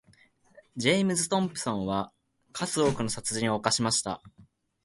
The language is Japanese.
ジェームズトムプソンは数多くの殺人を犯しました。